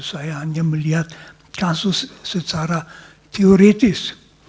saya hanya melihat kasus secara teoritis